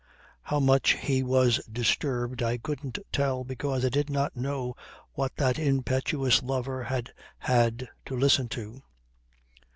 How much he was disturbed I couldn't tell because I did not know what that impetuous lover had had to listen to.